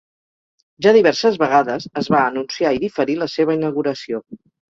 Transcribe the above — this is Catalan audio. Ja diverses vegades es va anunciar i diferir la seva inauguració.